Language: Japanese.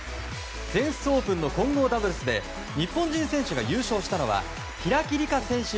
全仏オープンの混合ダブルスで日本人選手が優勝したのは平木理化選手